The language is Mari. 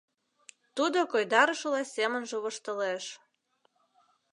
Тудо койдарышыла семынже воштылеш.